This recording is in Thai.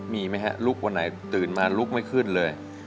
มีไหมฮะลุกวันไหนตื่นมาลุกไม่ขึ้นเลย